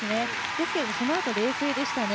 ですけどそのあと冷静でしたね。